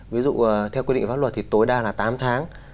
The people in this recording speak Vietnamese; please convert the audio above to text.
ví dụ theo quy định pháp luật thì tối đa là tám tháng